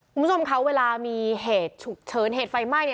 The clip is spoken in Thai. คุณผู้ชมคะเวลามีเหตุฉุกเฉินเหตุไฟไหม้